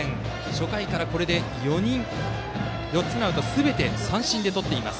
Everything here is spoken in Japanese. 初回から、これで４つのアウトをすべて、三振でとっています。